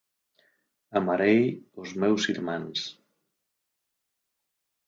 Amarei os meus irmáns.